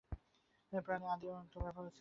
প্রাণের আদি ব্যাপার হচ্ছে এই জটিল অণু।